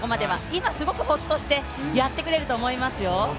今すごくホッとして、やってくれると思いますよ。